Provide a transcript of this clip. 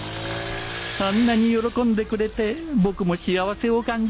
あんなに喜んでくれて僕も幸せを感じるな